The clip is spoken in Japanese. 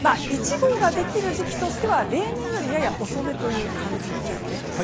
１号ができる時期としては例年よりやや遅めという感じです。